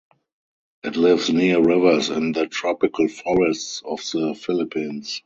It lives near rivers in the tropical forests of the Philippines.